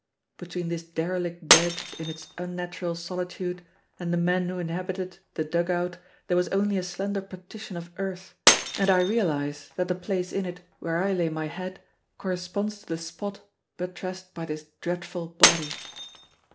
Between this derelict dead in its unnatural solitude and the men who inhabited the dug out there was only a slender partition of earth, and I realize that the place in it where I lay my head corresponds to the spot buttressed by this dreadful body.